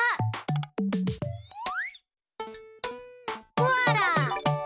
コアラ！